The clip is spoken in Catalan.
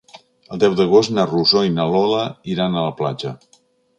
El deu d'agost na Rosó i na Lola iran a la platja.